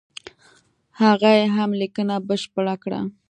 هغه یې هم لیکنه بشپړه کړه.